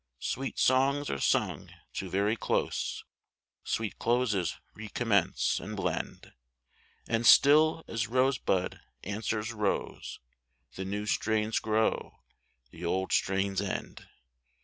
Sweet songs are sung to very close, Sweet closes recommence and blend ; And still as rose bud answers rose The new strains grow, the old strains end.